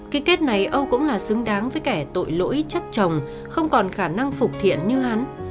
cái kết này ông cũng là xứng đáng với kẻ tội lỗi chất chồng không còn khả năng phục thiện như hắn